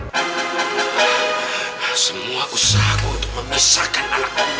sial semua usaha aku untuk memisahkan anakmu